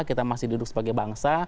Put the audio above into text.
kita masih duduk sebagai bangsa